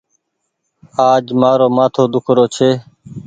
آج مآرو مآٿو ۮيک رو ڇي۔